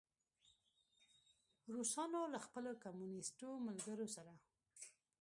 روسانو له خپلو کمونیسټو ملګرو سره.